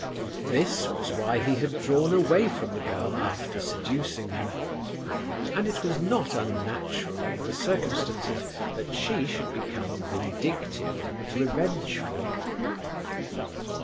This was why he had drawn away from the girl, after seducing her. And it was not unnatural under the circumstances that she should become vindictive and revengeful.